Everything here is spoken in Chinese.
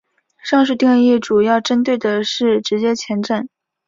上述定义主要针对的是直接前震。